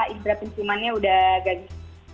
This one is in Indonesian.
ibra penciumannya udah gaji